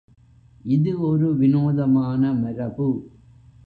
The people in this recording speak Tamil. இது ஒரு வினோதமான மரபு.